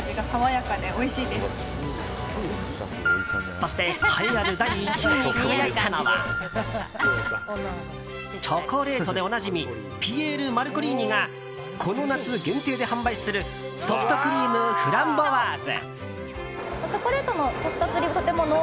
そして栄えある第１位に輝いたのはチョコレートでおなじみピエールマルコリーニがこの夏限定で販売するソフトクリームフランボワーズ。